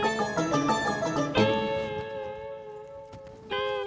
alhamdulillah terus gimana mak